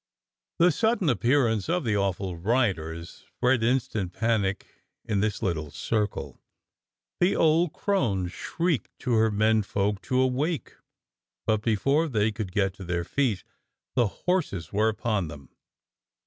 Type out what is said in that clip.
The sudden appearance of the awful riders spread instant panic in this little circle. The old crone shrieked to her menfolk to awake, but before they could get to their feet the horses were upon them.